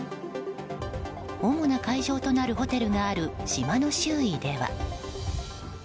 主な会場となるホテルがある島の周囲では。